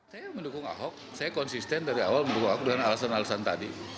saya mendukung ahok saya konsisten dari awal mendukung dengan alasan alasan tadi